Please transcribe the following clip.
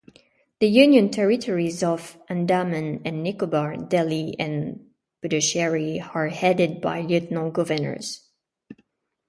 The union territories of Andaman and Nicobar, Delhi and Puducherry are headed by lieutenant-governors.